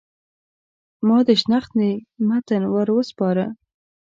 ما د شنختې متن ور وسپاره.